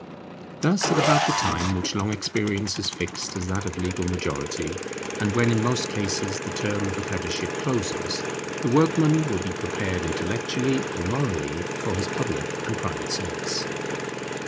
Thus, at about the time which long experience has fixed as that of legal majority, and when in most cases the term of apprenticeship closes, the workman will be prepared intellectually and morally for his public and private service.